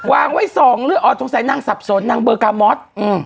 วางไว้สองอ๋อตรงใส่นางสับสนนางเบอร์กาม็อต